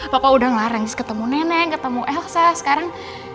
papa udah ngareng sih ketemu nenek ketemu elsa sekarang